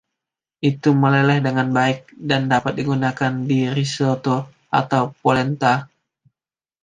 Itu meleleh dengan baik, dan dapat digunakan di risotto atau polenta.